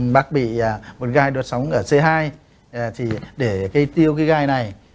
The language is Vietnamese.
bác bị một gai đốt sống ở c hai để tiêu cái gai này